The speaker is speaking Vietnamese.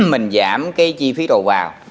mình giảm cái chi phí đồ vào